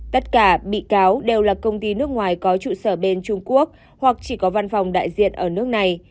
tất cả bị cáo đều là công ty nước ngoài có trụ sở bên trung quốc hoặc chỉ có văn phòng đại diện ở nước này